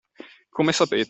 Come sapete.